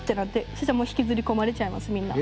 そしたら引きずり込まれちゃいますみんな。